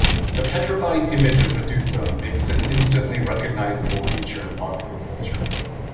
The petrifying image of Medusa makes an instantly recognizable feature in popular culture.